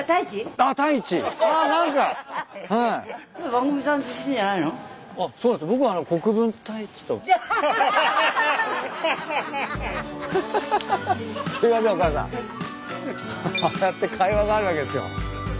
ああやって会話があるわけですよ。